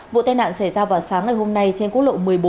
vụ tai nạn xảy ra vào sáng ngày hôm nay trên quốc lộ một mươi bốn